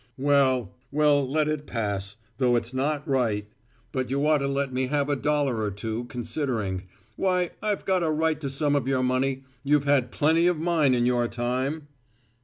"Well, well, let it pass, though it's not right. But you ought to let me have a dollar or two, considering. Why, I've got a right to some of your money. You've had plenty of mine in your time."